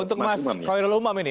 untuk mas hoirul umar ini